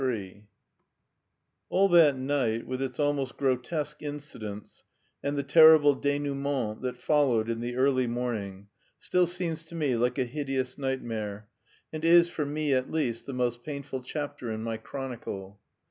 III All that night, with its almost grotesque incidents, and the terrible dénouement that followed in the early morning, still seems to me like a hideous nightmare, and is, for me at least, the most painful chapter in my chronicle.